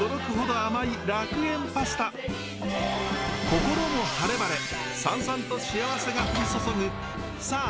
心も晴れ晴れサンサンと幸せが降り注ぐさあ